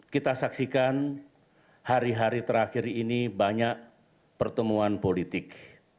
kita saksikan hari hari terakhir ini banyak pertemuan politik